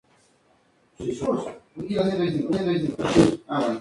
El segundo factor que afecta la transparencia son las propiedades ópticas del agua.